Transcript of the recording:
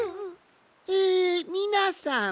えみなさん！